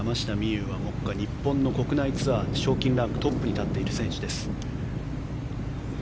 有は目下、日本の国内ツアー賞金ランクトップに立っている選手です。